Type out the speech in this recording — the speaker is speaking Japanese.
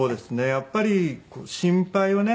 やっぱり心配をね